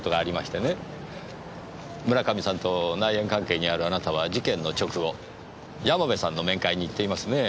村上さんと内縁関係にあるあなたは事件の直後山部さんの面会に行っていますね。